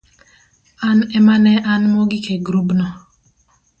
an ema ne an mogik e grubno.